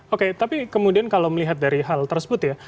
oke tapi kemudian kalau melihat dari hal tersebut ya